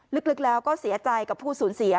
ลึกแล้วก็เสียใจกับผู้สูญเสีย